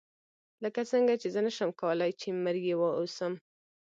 لکه څنګه چې زه نشم کولای چې مریی واوسم.